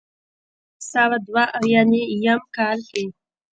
پۀ نولس سوه دوه اويا يم کال کښې